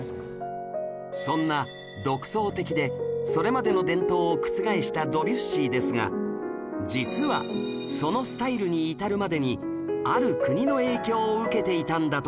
そんな独創的でそれまでの伝統を覆したドビュッシーですが実はそのスタイルに至るまでにある国の影響を受けていたんだとか